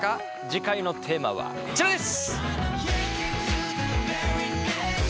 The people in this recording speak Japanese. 次回のテーマはこちらです！